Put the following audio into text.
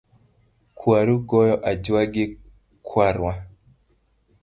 Kwaru goyo ajua gi kwarwa .